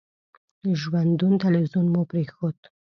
ژوندون تلویزیون مو پرېښود.